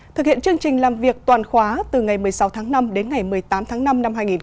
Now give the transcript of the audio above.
thực hiện chương trình làm việc toàn khóa từ ngày một mươi sáu tháng năm đến ngày một mươi tám tháng năm năm hai nghìn hai mươi bốn